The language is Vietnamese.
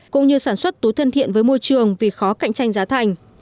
cũng như sản xuất túi thân thiện với môi trường vì khó cạnh tranh giá thành